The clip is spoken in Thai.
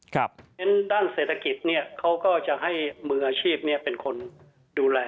เพราะฉะนั้นด้านเศรษฐกิจเขาก็จะให้มืออาชีพเป็นคนดูแล